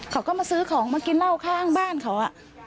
เขาก็มาซื้อของมากินเหล้าข้างบ้านเขา